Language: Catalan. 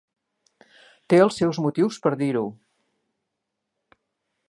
Té els seus motius per a dir-ho.